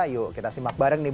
yuk kita simak bareng nih